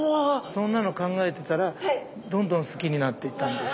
そんなの考えてたらどんどん好きになっていったんです。